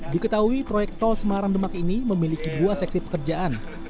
diketahui proyek tol semarang demak ini memiliki dua seksi pekerjaan